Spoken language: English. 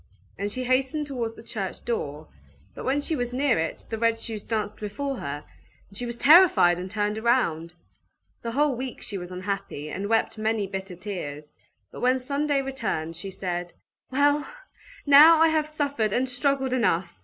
And she hastened towards the church door: but when she was near it, the red shoes danced before her, and she was terrified, and turned round. The whole week she was unhappy, and wept many bitter tears; but when Sunday returned, she said, "Well, now I have suffered and struggled enough!